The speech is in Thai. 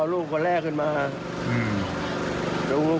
วันอื่นก็ยังแข็งแรง